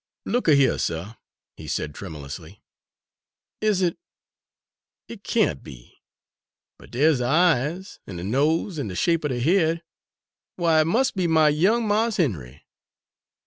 "Look a hyuh, suh," he said tremulously, "is it? it can't be! but dere's de eyes, an' de nose, an' de shape er de head why, it must be my young Mars Henry!"